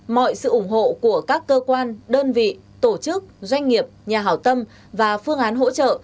mọi sự ủng hộ của các cơ quan đơn vị tổ chức doanh nghiệp nhà hảo tâm và phương án hỗ trợ